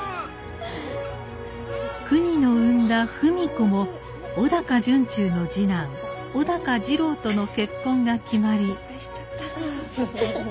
くにの産んだ文子も尾高惇忠の次男尾高次郎との結婚が決まり。